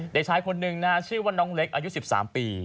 เด็กชายคนหนึ่งนะฮะชื่อว่าน้องเล็กอายุ๑๓ปี